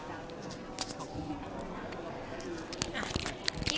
ขอบคุณครับ